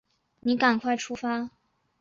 你赶快出发